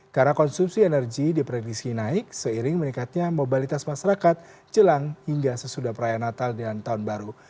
karena konsumsi energi diperlisih naik seiring meningkatnya mobilitas masyarakat jelang hingga sesudah perayaan natal dan tahun baru